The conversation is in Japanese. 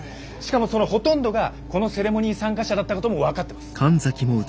しかもそのほとんどがこのセレモニー参加者だったことも分かってます。